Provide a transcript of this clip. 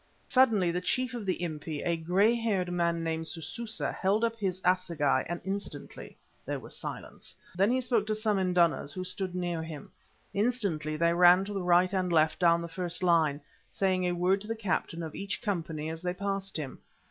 Suddenly the chief of the Impi, a grey haired man named Sususa, held up his assegai, and instantly there was silence. Then he spoke to some indunas who stood near him. Instantly they ran to the right and left down the first line, saying a word to the captain of each company as they passed him.